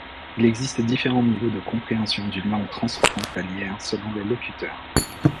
Il existe différents niveaux de compréhension d'une langue transfrontalière selon le locuteur.